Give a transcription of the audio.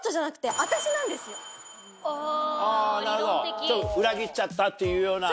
あなるほど裏切っちゃったっていうような。